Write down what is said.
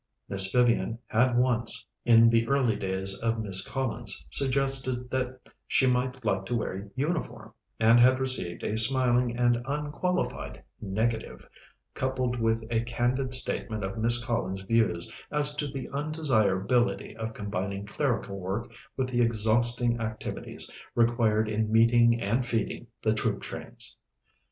Miss Vivian had once, in the early days of Miss Collins, suggested that she might like to wear uniform, and had received a smiling and unqualified negative, coupled with a candid statement of Miss Collins's views as to the undesirability of combining clerical work with the exhausting activities required in meeting and feeding the troop trains.